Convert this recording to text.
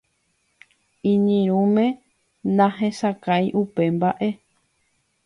Iñirũme nahesakãi upe mba'e.